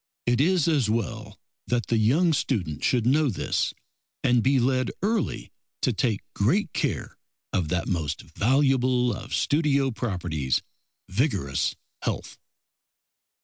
It is as well that the young student should know this, and be led early to take great care of that most valuable of studio properties, vigorous health.